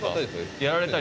やられたり。